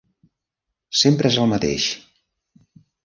Sempre és el mateix.